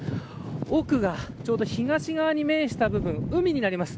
奥が東側に面した部分海になります。